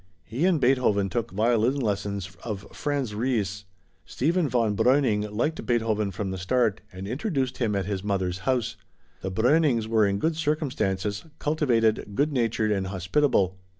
He and Beethoven took violin lessons of Franz Ries. Stephen von Breuning liked Beethoven from the start and introduced him at his mother's house. The Breunings were in good circumstances, cultivated, good natured and hospitable.